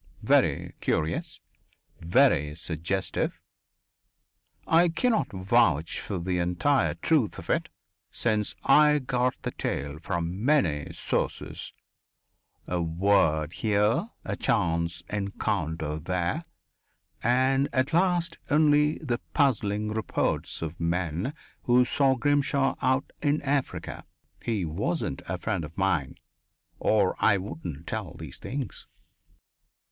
Very curious. Very suggestive. I cannot vouch for the entire truth of it, since I got the tale from many sources a word here, a chance encounter there, and at last only the puzzling reports of men who saw Grimshaw out in Africa. He wasn't a friend of mine, or I wouldn't tell these things."